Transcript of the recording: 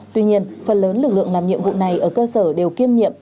tuy nhiên phần lớn lực lượng làm nhiệm vụ này ở cơ sở đều kiêm nhiệm